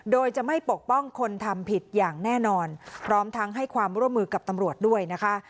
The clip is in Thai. โดยจะไม่ปกป้องคนทำผิดอย่างแน่นอนพร้อมทั้งให้ความร่วมมือกับตำรวจด้วยนะคะ